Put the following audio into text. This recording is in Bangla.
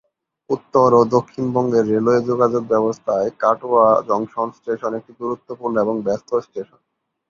উত্তর ও দক্ষিণবঙ্গের রেলওয়ে যোগাযোগব্যবস্থায় কাটোয়া জংশন স্টেশন একটি গুরুত্বপূর্ণ এবং ব্যস্ত স্টেশন।